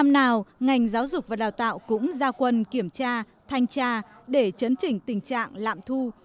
năm nào ngành giáo dục và đào tạo cũng ra quân kiểm tra thanh tra để chấn chỉnh tình trạng lạm thu